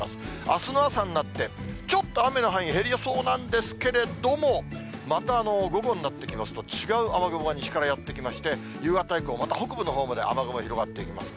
あすの朝になって、ちょっと雨の範囲、減りそうなんですけれども、また午後になってきますと、違う雨雲が西からやって来まして、夕方以降、また北部のほうまで雨雲が広がっていきます。